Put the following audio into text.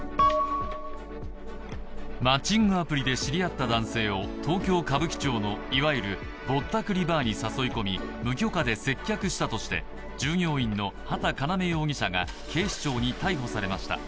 マッチングアプリで知り合った男性を東京・歌舞伎町のいわゆるぼったくりバーに誘い込み無許可で接客したとして従業員の畠叶夢容疑者が警視庁に逮捕されました。